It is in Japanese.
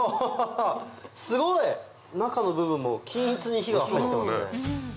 すごい！中の部分も均一に火が入ってますね。